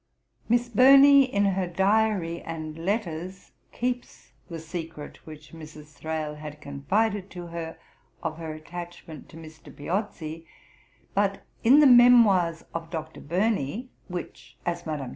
Miss Burney in her diary and letters keeps the secret which Mrs. Thrale had confided to her of her attachment to Mr. Piozzi; but in the Memoirs of Dr. Burney, which, as Mme.